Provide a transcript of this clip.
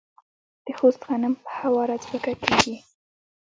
د خوست غنم په هواره ځمکه کیږي.